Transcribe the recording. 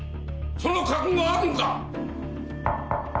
その覚悟はあるんか！